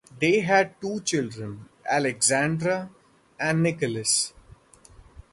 They had two children, Alexandra and Nicholas.